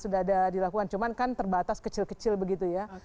sudah ada dilakukan cuman kan terbatas kecil kecil begitu ya